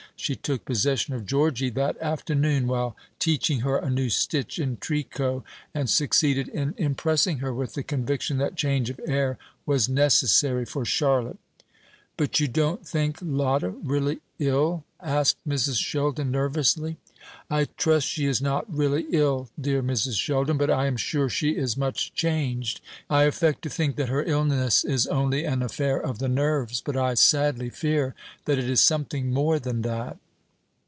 She took possession of Georgy that afternoon, while teaching her a new stitch in tricot, and succeeded in impressing her with the conviction that change of air was necessary for Charlotte. "But you don't think Lotta really ill?" asked Mrs. Sheldon, nervously. "I trust she is not really ill, dear Mrs. Sheldon; but I am sure she is much changed. In talking to her, I affect to think that her illness is only an affair of the nerves; but I sadly fear that it is something more than that."